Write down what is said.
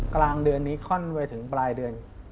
กลางเดือนนี้ค่อนไปถึงปลายเดือน